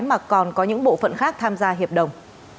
mà còn có những bộ phận khác tham gia hiệp đồng